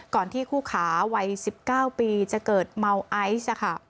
ก่อนที่คู่ขาวัยสิบเก้าปีจะเกิดเมาไอซ์อ่ะค่ะ